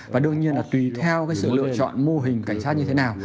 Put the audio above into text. và đương nhiên là tùy theo sự lựa chọn mô hình cảnh sát như thế nào